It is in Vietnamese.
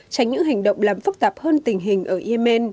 tránh những hành động làm phức tạp hơn tình hình ở yemen